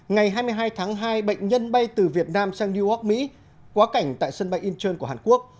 ngày hai mươi hai tháng hai bệnh nhân bay từ việt nam sang new york mỹ quá cảnh tại sân bay incheon của hàn quốc